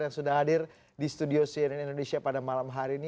yang sudah hadir di studio cnn indonesia pada malam hari ini